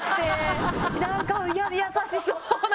なんか優しそうな。